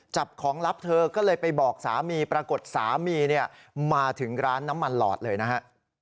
จับของลับเธอก็เลยไปบอกสามีปรากฏสามีเนี่ยมาถึงร้านน้ำมันหลอดเลยนะฮะ